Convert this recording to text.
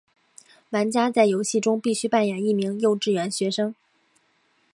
玩家在游戏中必须扮演一名幼稚园学生。